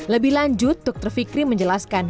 lebih lanjut dr fikri menjelaskan